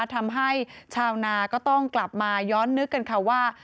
ทำให้ชาวนาก็ต้องกลับมาย้อนนึกกันค่ะว่า